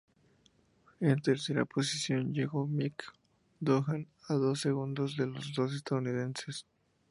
En tercera posición, llegó Mick Doohan a dos segundos de los dos estadounidenses.